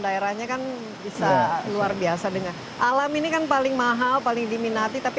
daerahnya kan bisa luar biasa dengan alam ini kan paling mahal paling diminati tapi